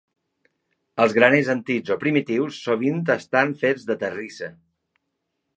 Els graners antics o primitius sovint estan fets de terrissa.